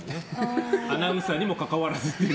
アナウンサーにもかかわらずっていう。